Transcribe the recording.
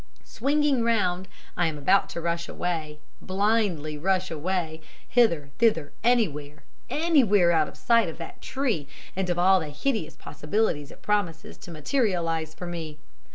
Swinging round, I am about to rush away blindly rush away hither, thither, anywhere anywhere out of sight of that tree and of all the hideous possibilities it promises to materialize for me.